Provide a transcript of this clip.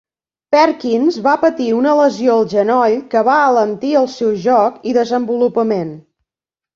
Perkins va patir una lesió al genoll que va alentir el seu joc i desenvolupament.